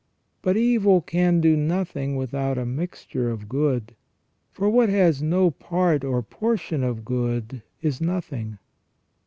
... But evil can do nothing without a mixture of good, for what has no part or portion of good is nothing.